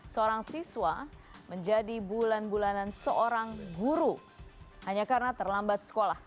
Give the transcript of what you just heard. seorang siswa menjadi bulan bulanan seorang guru hanya karena terlambat sekolah